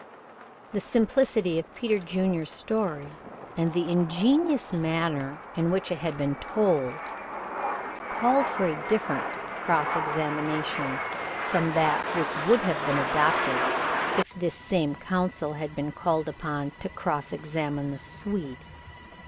The simplicity of Peter Junior's story, and the ingenuous manner in which it had been told, called for a different cross examination from that which would have been adopted if this same counsel had been called upon to cross examine the Swede.